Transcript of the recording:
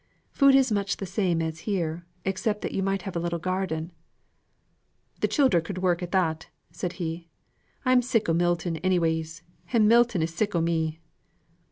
Food is much the same as here, except that you might have a little garden " "The childer could work at that," said he. "I'm sick o' Milton anyways, and Milton is sick o' me."